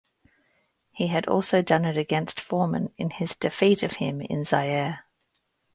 He had also done it against Foreman in his defeat of him in Zaire.